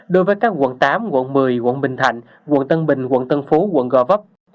đối với các quận tám quận một mươi quận bình thạnh quận tân bình quận tân phú quận gò vấp